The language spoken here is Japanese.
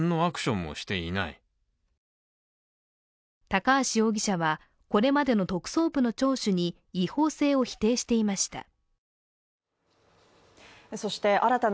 高橋容疑者は、これまでの特捜部の聴取に違法性を否定していました。